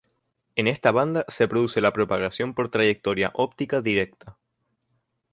En esta banda se produce la propagación por trayectoria óptica directa.